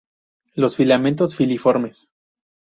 Los filamentos filiformes.